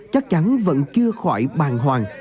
chắc chắn vẫn chưa khỏi bàn hoàng